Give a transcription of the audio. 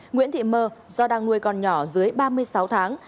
nguyễn thị mơ do đang nuôi con nhỏ dưới ba mươi sáu tháng